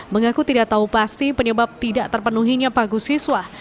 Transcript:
mengaku tidak tahu pasti penyebab tidak terpenuhinya pagu siswa